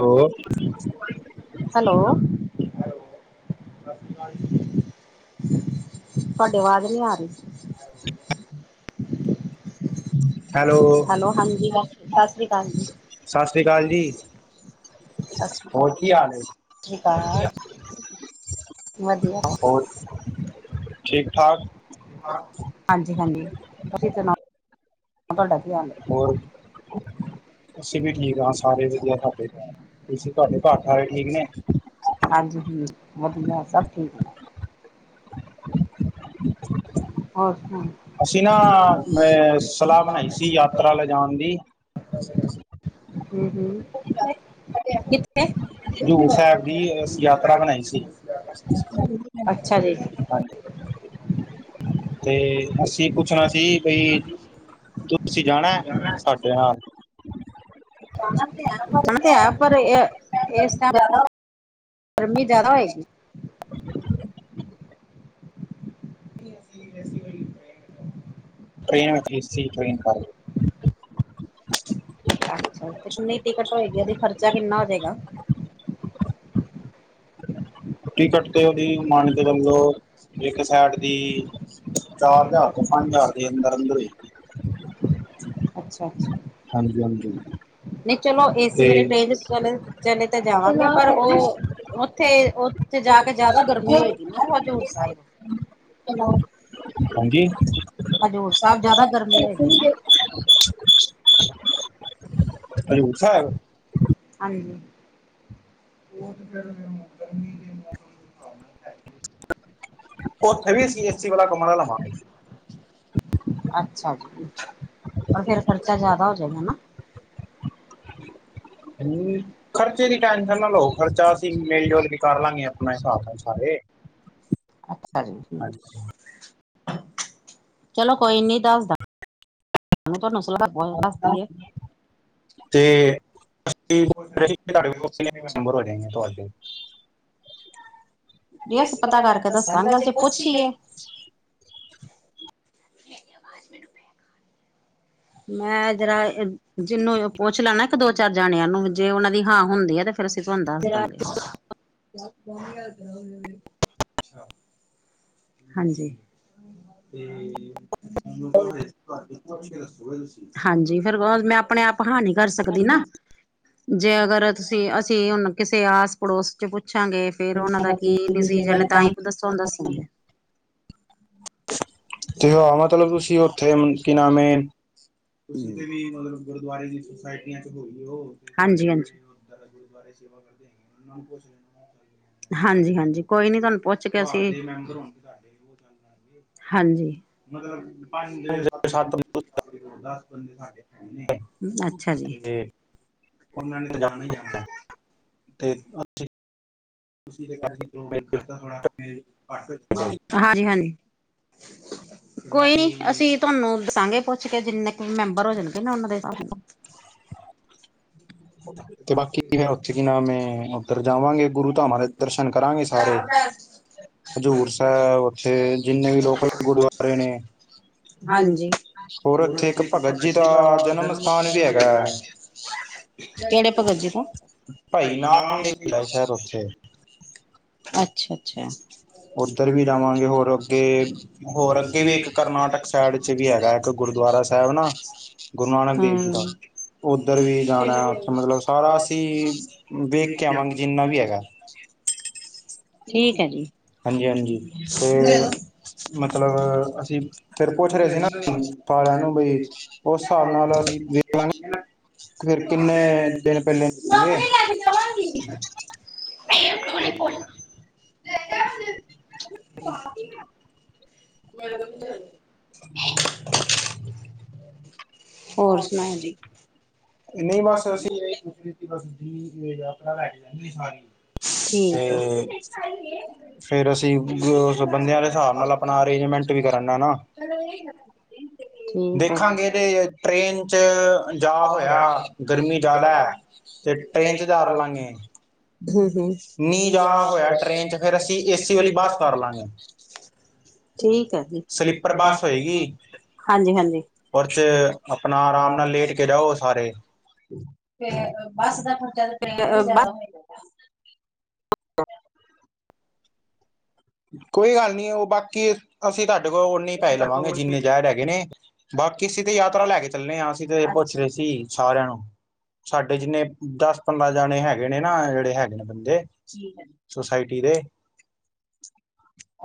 ਹੋ ਹੈਲੋ। ਸਸ੍ਰੀ ਕਾਲ ਜੀ। ਤਾਡੀ ਵਾਜ ਨੀ ਆ ਰੀ। ਹੈਲੋ। ਹਾਂਜੀ ਸਤਿ ਸ੍ਰੀ ਅਕਾਲ ਜੀ। ਸਤਿ ਸ੍ਰੀ ਅਕਾਲ ਜੀ। ਹੋਰ ਕੀ ਹਾਲ ਏ? ਕੀ ਕਾਲ। ਵਧੀਆ। ਹੋਰ ਠੀਕ ਠਾਕ ਹਾਂਜੀ ਹਾਂਜੀ ਤੁਸੀ ਸੁਣਾਔ ਤੁਹਾਡਾ ਕੀ ਹਾਲ ਏ ਹੋਰ ਅਸੀ ਵੀ ਠੀਕ ਹਾਂ ਸਾਰੇ ਵਦੀਆ ਘਰ ਤੁਸੀਂ ਤੁਹਾਡੇ ਘਰ ਸਾਰੇ ਠੀਕ ਨੇ ਹਾਂਜੀ ਠੀਕ ਵਧੀਆ ਸਭ ਠੀਕ ਨੇ ਹੋਰ ਸੁਨਾਔ ਅਸੀਂ ਨਾ ਅ ਸਲਾਹ ਬਣਾਈ ਸੀ ਯਾਤਰਾ ਲੈਜਾਣ ਦੀ [unintelligible] ਹਜੁਰੂ ਸਾਹਿਬ ਦੀ ਅੱਸੀ ਯਾਤਰਾ ਬਣਾਈ ਸੀ ਅੱਛਾ ਜੀ ਹਾਂਜੀ ਤੇ ਅਸੀਂ ਪੁੱਛਣਾ ਸੀ ਬਈ ਤੁਸੀਂ ਜਾਣਾ ਏ ਸਾਡੇ ਨਾਲ ਹੁਣ ਤੇ ਹੈ [unintelligible] ਪਰ ਇਸ ਟੇਮ ਗਰਮੀ ਜ਼ਿਆਦਾ ਹੋਏਗੀ [unintelligible] ਕੀ ਅੱਸੀ ਇਸ ਵਾਰੀ ਟ੍ਰੇਨ ਏਸੀ ਟ੍ਰੇਨ ਪਰ ਅੱਛਾ ਤੇ ਕਿੰਨੀ ਟਿਕਟ ਹੋਏਗੀ ਉਸ ਦਾ ਖਰਚਾ ਕਿੰਨਾ ਹੋ ਜਾਏਗਾ ਟਿਕਟ ਤੇ ਉਸ ਦੇ ਮਨ ਕੇ ਚਲੋ ਇੱਕ ਸਾਈਡ ਦੀ ਚਾਰ ਹਜ਼ਾਰ ਤੋਂ ਪੰਜ ਹਜ਼ਾਰ ਦੇ ਅੰਦਰ-ਅੰਦਰ ਹੋਏਗੀ ਅੱਛਾ ਅੱਛਾ ਹਾਂਜੀ ਹਾਂਜੀ ਨਹੀਂ ਚਲੋ ਏਸੀ ਵਾਲੀ ਤੇ ਟ੍ਰੇਨ ਚ ਚਲੇ ਚਲੇ ਤਾਂ ਜਾਵਾਂਗੇ ਪਰ ਉਹ ਉੱਥੇ ਉੱਥੇ ਜਾ ਕੇ ਜ਼ਿਆਦਾ ਗਰਮੀ ਹੋਏਗੀ ਨਾ ਹਜ਼ੂਰ ਸਾਹਿਬ [unintelligible] [unintelligible] ਹਾਂਜੀ ਹਜੂਰ ਸਾਹਿਬ ਜਆਦਾ ਗਰਮੀ ਹੈਗੀ ਨਾ ਅ [unintelligible] [unintelligible] ਹਮ [unintelligible] ਹਜੂਰ ਸਾਹਿਬ ਹਾਂਜੀ [unintelligible] ਉਥੇ ਵੀ ਅਸੀ ਏਸੀ ਵਾਲਾ ਕਮਰਾ ਲਵਾਂਗੇ ਅੱਛਾ ਜੀ ਤੇ ਫੇਰ ਖਰਚਾ ਜਿਆਦਾ ਹੋ ਜਾਏਗਾ ਗਾ ਨਾ ਖਰਚੇ ਦੀ ਟੈਂਸ਼ਨ ਨਾ ਲਓ ਖਰਚਾ ਅਸੀ ਮਿਲਜੂਲ ਕੇ ਕਰ ਲਾਂਗੇ ਆਪਣਾ ਹਿਸਾਬ ਨਾਲ ਸਾਰੇ ਅੱਛਾ ਜੀ ਅੱਛਾ ਚਲੋ ਕੋਈ ਨੀ ਦੱਸਦਾ- ਦੱਸਦੀ ਹੈ [unintelligible] [unintelligible] ਜੇ ਅਸੀਂ ਪਤਾ ਕਰਕੇ ਦੱਸਾਂਗੇ ਅਜੇ ਪੁੱਛੀਏ [unintelligible] ਮੈਂ ਜਰਾ ਜਿਹਨੂੰ ਪੁੱਛ ਲਾ ਨਾ ਇੱਕ ਦੋ ਚਾਰ ਜਣਿਆਂ ਨੂੰ ਜੇ ਉਹਨਾਂ ਦੀ ਹਾਂ ਹੁੰਦੀ ਏ ਤੇ ਫਿਰ ਅਸੀਂ ਤਹਾਨੂੰ ਦੱਸ ਦਾਂਗੇ ਹਾਂਜੀ ਤੇ ਹਾਂਜੀ ਫੇਰ ਮੈਂ ਆਪਣੇ ਆਪ ਹਾ ਨਹੀਂ ਨਾ ਕਰ ਸਕਦੀ ਨਾ ਜੇ ਅਗਰ ਤੁਸੀਂ ਅਸੀਂ ਹੁਣ ਕਿਸੇ ਆਸ ਪੜੋਸ ਚ ਪੁੱਛਾਂਗੇ ਫੇਰ ਉਹਨਾਂ ਦਾ ਕੀ ਡਿਸੀਜ਼ਨ ਏ ਤਾਂ ਹੀ ਦੱਸੋ ਦੱਸੂਗੇ ਤੇ ਹਾਂ ਮਤਲਬ ਤੁਸੀਂ ਉੱਥੇ ਕਿ ਨਾਮ ਏ ਕਿਤੇ ਵੀ ਮਤਲਬ ਗੁਰਦੁਆਰੇ ਦੀ ਸੁਸਾਇਟੀ ਘੁੰਮ ਲੋ ਹਾਂਜੀ-ਹਾਂਜੀ। ਗੁਰਦੁਆਰੇ ਸੇਵਾ ਕਰਦੇ ਹਾਂਜੀ ਹਾਂਜੀ ਕੋਈ ਨੀ ਤੁਹਾਨੂੰ ਪੁੱਛ ਕੇ ਅਸੀ ਹਾਂਜੀ ਸੱਤ [unintelligible] ਅੱਛਾ ਜੀ। ਉਹਨਾਂ ਨੇ ਤਾਂ ਜਾਣਾ ਈ ਜਾਣਾ ਤੇ ਹਾਜੀ ਹਾਂਜੀ। ਕੋਈ ਨੀ ਅਸੀਂ ਤੁਹਾਨੂੰ ਦੱਸਾਂਗੇ ਪੁੱਛ ਕੇ ਜਿੰਨੇ ਕੁ ਮੈਂਬਰ ਹੋ ਜਾਣਗੇ ਨਾ ਉਹਨਾਂ ਦੇ ਹਿਸਾਬ ਨਾਲ। [inaudible] ਤੇ ਬਾਕੀ ਫਿਰ ਉੱਥੇ ਕੀ ਨਾਮ ਐ ਉੱਧਰ ਜਾਵਾਂਗੇ ਗੁਰੂ ਧਾਮਾਂ ਦੇ ਦਰਸ਼ਨ ਕਰਾਂਗੇ ਸਾਰੇ। ਹਜ਼ੂਰ ਸਾਹਿਬ ਉੱਥੇ ਜਿੰਨੇ ਵੀ ਲੋਕਲ ਗੁਰਦੁਆਰੇ ਨੇ ਹਾਂਜੀ ਹੋਰ ਉੱਥੇ ਇੱਕ ਭਗਤ ਜੀ ਦਾ ਜਨਮ ਸਥਾਨ ਵੀ ਹੈਗਾ। ਕਿਹੜੇ ਭਗਤ ਜੀ ਤੋਂ ਭਾਈ ਨਾਨ ਦੇ ਸ਼ਹਿਰ ਉੱਥੇ। ਅੱਛਾ-ਅੱਛਾ, ਉੱਧਰ ਵੀ ਜਾਵਾਂਗੇ ਹੋਰ ਅੱਗੇ ਹੋਰ ਹੁਣ ਅੱਗੇ ਅਸੀ ਵੀ। ਇੱਕ ਕਰਨਾਟਕ ਸਾਈਡ 'ਚ ਵੀ ਹੈਗਾ ਇੱਕ ਗੁਰਦੁਆਰਾ ਸਾਹਿਬ ਨਾ [inaudible] ਗੁਰੂ ਨਾਨਕ ਦੇਵ ਜੀ ਦਾ। ਉੱਧਰ ਵੀ ਜਾਣਾ ਉੱਥੇ ਮਤਲਬ ਸਾਰਾ ਅਸੀਂ ਵੇਖ ਕੇ ਆਵਾਂਗੇ ਜਿੰਨਾ ਵੀ ਹੈਗਾ। [inaudible] ਠੀਕ ਐ ਜੀ। [inaudible] ਹਾਂਜੀ ਹਾਂਜੀ ਤੇ ਮਤਲਬ ਅਸੀਂ ਫਿਰ ਪੁੱਛ ਰਹੇ ਸੀ ਨਾ ਸਾਰਿਆਂ ਨੂੰ ਬਈ ਉਸ ਹਿਸਾਬ ਨਾਲ ਅਸੀਂ ਵੇਖ ਲਾਂਗੇ [inaudible] ਫਿਰ ਕਿੰਨੇ ਦਿਨ ਪਹਿਲੇ ਨਿਕਲੇ। [inaudible] [inaudible] [inaudible] ਹੋਰ ਸੁਣਾਓ ਜੀ? ਨਹੀਂ ਬਸ ਅਸੀਂ ਇਹੀ ਪੁੱਛ ਬਸ ਭਰਾ ਲੈ ਕੇ ਰਦੇ ਸਾਰੀ। ਤੇ ਫੇਰ ਅਸੀਂ ਉਸ ਬੰਦਿਆਂ ਦੇ ਹਿਸਾਬ ਨਾਲ ਆਪ ਆਪਣਾ ਅਰੇਂਜਮੈਂਟ ਵੀ ਕਰਨਾ ਨਾ। ਦੇਖਾਂਗੇ ਤੇ ਠੀਕ ਟ੍ਰੇਨ ਚ ਜਾ ਹੋਇਆ ਐ, ਗਰਮੀ ਜ਼ਿਆਦਾ ਹੈ। ਤੇ ਟ੍ਰੇਨ ਚ ਜਾ ਲਾਂਗੇ [inaudible] ਨੀ ਜਾ ਹੋਇਆ ਟ੍ਰੇਨ ਚ ਫੇਰ ਅਸੀਂ ਏਸੀ ਵਾਲੀ ਬੱਸ ਕਰ ਲਾਂਗੇ। ਠੀਕ ਹੈ ਜੀ ਸਲੀਪਰ ਬਸ ਹੋਏਗੀ, ਹਾਂਜੀ ਹਾਂਜੀ ਓਦੇ ਚ ਆਪਣਾ ਆਰਾਮ ਨਾਲ ਲੇਟ ਕੇ ਜਾਓ ਸਾਰੇ। ਫਿਰ ਬੱਸ ਦਾ ਖਰਚਾ ਤਾਂ ਟ੍ਰਰੇਨ ਤੋਂ ਵੀ ਬਾਏ। ਜ਼ਿਆਦਾ ਹੋਏਗਾ? ਕੋਈ ਗੱਲ ਨੀ ਉਹ ਬਾਕੀ ਅਸੀਂ ਤੁਹਾਡੇ ਕੋਲ ਓਨੇ ਈ ਪੈਹੇ ਲਵਾਂਗੇ ਜਿੰਨੇ ਜੇਡ ਹੈਗੇ ਨੇ, ਬਾਕੀ ਅਸੀ ਤੇ ਯਾਤਰਾ ਲੈ ਕੇ ਚੱਲੇ ਹਾਂ ਅਸੀਂ ਤੇ ਪੁੱਛ ਰਹੇ ਸੀ ਸਾਰਿਆਂ ਨੂੰ। ਸਾਡੇ ਜਿੰਨੇ ਦਸ ਪੰਦਰਾਂ ਜਣੇ ਹੈਗੇ ਨੇ ਨਾ ਜਿਹੜੇ ਹੈਗੇ ਨੇ ਬੰਦੇ ਸੋਸਾਈਟੀ ਦੇ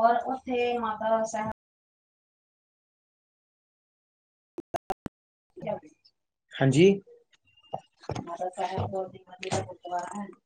ਔਰ ਉੱਥੇ ਮਾਤਾ ਸਾਹਿਬ [unintelligible] ਹਾਂਜੀ, ਮਾਤਾ ਸਾਹਿਬ ਕੋਰ [unintelligible]